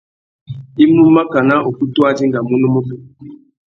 I mú makana ukutu a dingamú unúmútú.